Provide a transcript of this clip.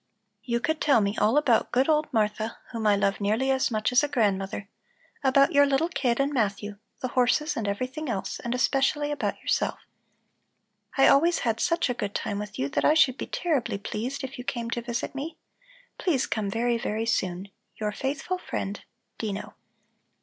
You could tell me all about good old Martha, whom I love nearly as much as a grandmother, about your little kid and Matthew, the horses and everything else, and especially about yourself. I always had such a good time with you that I should be terribly pleased if you came to visit me. Please come very, very soon! Your faithful friend, DINO.